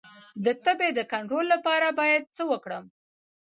د تبې د کنټرول لپاره باید څه وکړم؟